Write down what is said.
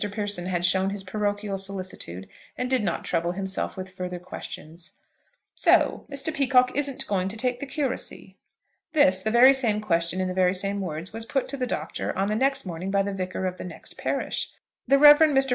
Pearson had shown his parochial solicitude, and did not trouble himself with further questions. "So Mr. Peacocke isn't going to take the curacy?" This, the very same question in the very same words, was put to the Doctor on the next morning by the vicar of the next parish. The Rev. Mr.